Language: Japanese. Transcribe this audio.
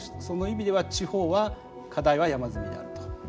その意味では地方は課題は山積みであると。